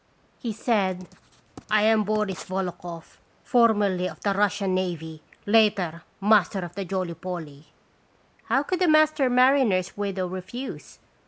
He said: "I am Boris Volokhoff, formerly of the Russian navy; later, master of the Jolly Polly." How could a master mariner's widow re fuse?